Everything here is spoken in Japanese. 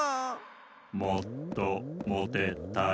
もっともてたい。